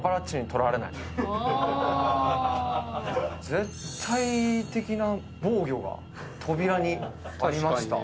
絶対的な防御が扉にありました。